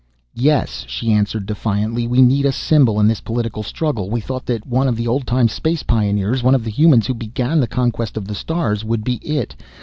"Yes," she answered defiantly. "We need a symbol in this political struggle. We thought that one of the oldtime space pioneers, one of the humans who began the conquest of the stars, would be it.